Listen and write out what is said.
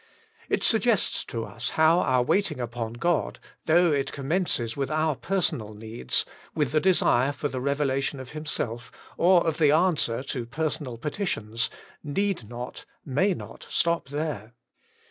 It suggests to us how our waiting upon God, though it commences with our personal needs, with the desire for the revelation of Himself, or of the answer to personal petitions, need not, may not, stop there.